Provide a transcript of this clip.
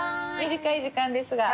短い時間ですが。